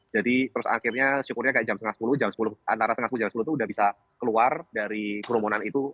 jadi terus akhirnya syukurnya kayak jam setengah sepuluh jam sepuluh antara setengah sepuluh dan jam sepuluh itu udah bisa keluar dari kerumunan itu